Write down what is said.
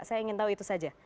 saya ingin tahu itu saja